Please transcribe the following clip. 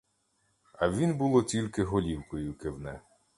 А він було тільки голівкою кивне.